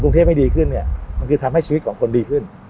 กรุงเทพให้ดีขึ้นเนี่ยมันคือทำให้ชีวิตของคนดีขึ้น